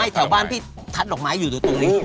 แถวบ้านพี่ทัดดอกไม้อยู่ตรงนี้